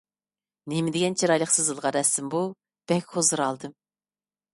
نېمىدېگەن چىرايلىق سىزىلغان رەسىم بۇ! بەك ھۇزۇر ئالدىم.